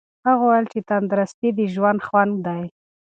هغه وویل چې تندرستي د ژوند خوند دی.